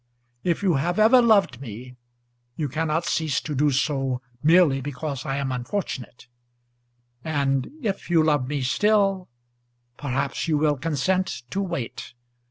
If you have ever loved me you cannot cease to do so merely because I am unfortunate; and if you love me still, perhaps you will consent to wait.